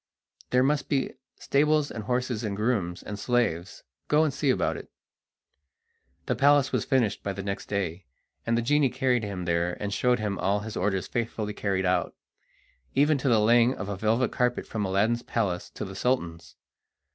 There must be stables and horses and grooms and slaves; go and see about it!" The palace was finished by next day, and the genie carried him there and showed him all his orders faithfully carried out, even to the laying of a velvet carpet from Aladdin's palace to the Sultan's.